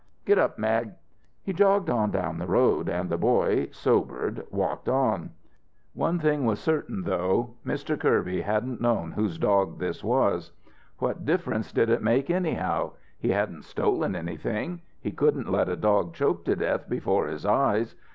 Git up, Mag!" He jogged on down the road, and the boy, sobered walked on. One thing was certain, though, Mr Kirby hadn't known whose dog this was. What difference did it make anyhow? He hadn't stolen anything. He couldn't let a dog choke to death before his eyes.